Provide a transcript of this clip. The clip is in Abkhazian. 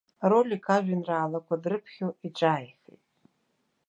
Ролик ажәеинраалақәа дрыԥхьо иҿааихеит.